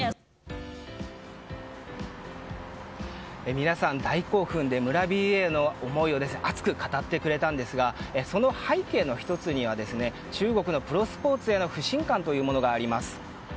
皆さん、大興奮で村ＢＡの思いを熱く語ってくれたんですがその背景の１つには中国のプロスポーツへの不信感があります。